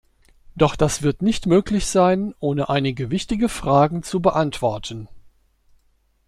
Doch das wird nicht möglich sein, ohne einige wichtige Fragen zu beantworten.